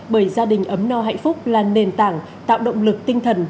bởi gia đình ấm no hạnh phúc là nền tảng tạo động lực tinh thần